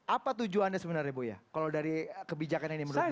apa tujuan anda sebenarnya buya kalau dari kebijakan ini menurut buya